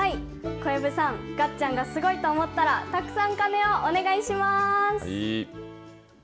小籔さん、がっちゃんがすごいと思ったらたくさん鐘をお願いします。